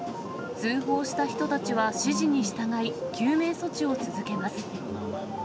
通報した人たちは指示に従い、救命措置を続けます。